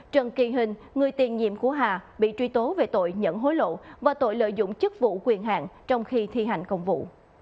trần kỳ hình người tiền nhiệm của hà bị truy tố về tội nhận hối lộ và tội lợi dụng chức vụ quyền hạn trong khi thi hành công vụ